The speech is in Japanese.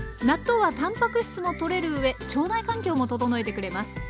納豆はたんぱく質もとれる上腸内環境も整えてくれます。